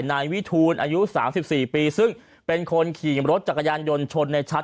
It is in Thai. นายวิทูลอายุ๓๔ปีซึ่งเป็นคนขี่รถจักรยานยนต์ชนในชัด